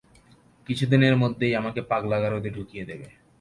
কিছুদিনের মধ্যেই আমাকে পাগলা গারদে ঢুকিয়ে দেবে।